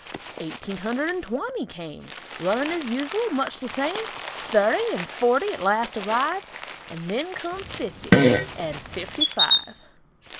Eighteen hundred and twenty came; Running as usual; much the same. Thirty and forty at last arrive, And then come fifty, and FIFTY FIVE.